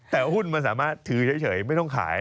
แต่หุ้นมันสามารถถือเฉยไม่ต้องขาย